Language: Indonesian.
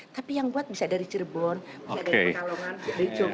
tapi yang buat bisa dari cirebon bisa dari petalongan